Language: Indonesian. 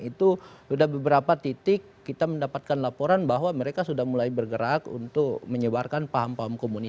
itu sudah beberapa titik kita mendapatkan laporan bahwa mereka sudah mulai bergerak untuk menyebarkan paham paham komunis